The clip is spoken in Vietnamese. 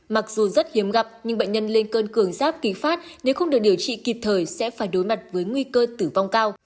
mặc dù rất hiếm gặp nhưng bệnh nhân lên cơn cường giáp kính phát nếu không được điều trị kịp thời sẽ phải đối mặt với nguy cơ tử vong cao